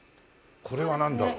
これはなんだろう。